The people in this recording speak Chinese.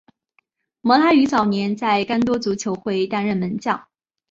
摩拉于早年在干多足球会担任门将。